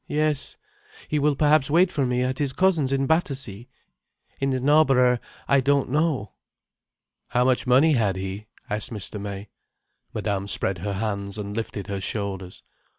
"Yes. He will perhaps wait for me at his cousin's in Battersea. In Knarborough, I don't know." "How much money had he?" asked Mr. May. Madame spread her hands and lifted her shoulders.